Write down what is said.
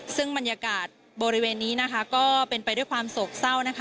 ซึ่งบรรยากาศบริเวณนี้นะคะก็เป็นไปด้วยความโศกเศร้านะคะ